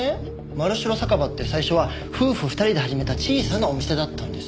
まるしろ酒場って最初は夫婦２人で始めた小さなお店だったんです。